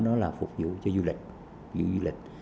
nó là phục vụ cho du lịch